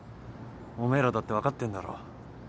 おめえらだって分かってんだろ。